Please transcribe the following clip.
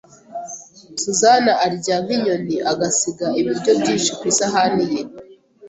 Susan arya nk'inyoni agasiga ibiryo byinshi ku isahani ye.